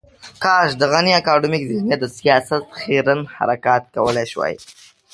کاش د غني اکاډمیک ذهنیت د سياست خیرن حرکات کولای شوای.